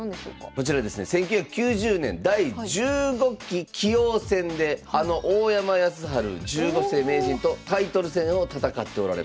こちらですね１９９０年第１５期棋王戦であの大山康晴十五世名人とタイトル戦を戦っておられます。